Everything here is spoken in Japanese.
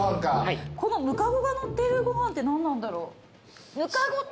このむかごがのっているご飯って何なんだろう。